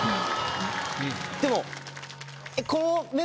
でも。